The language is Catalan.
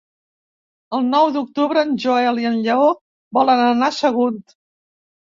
El nou d'octubre en Joel i en Lleó volen anar a Sagunt.